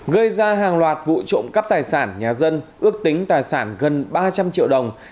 gây ra hàng loạt vụ trộm cắp tài sản nhà dân ước tính tài sản gần ba trăm linh triệu đồng